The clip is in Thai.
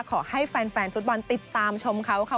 ขอให้แฟนฟุตบอลติดตามชมเขาค่ะ